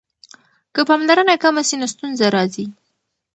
که پاملرنه کمه سي نو ستونزه راځي.